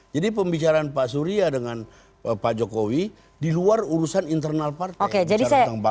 jadi pembicaraan pak surya dengan pak jokowi di luar urusan internal partai